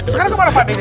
sekarang kemana pak deh